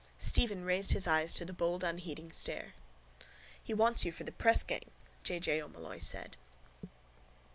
Stephen raised his eyes to the bold unheeding stare. —He wants you for the pressgang, J. J. O'Molloy said.